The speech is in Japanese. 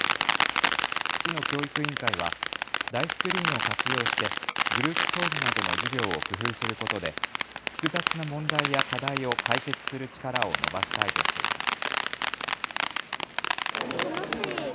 市の教育委員会は大スクリーンを活用してグループ討議などの授業を工夫することで複雑な問題や課題を解決する力を伸ばしたいとしています。